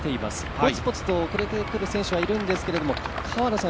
ポツポツと遅れてくる選手はいるんですけれども、河野さん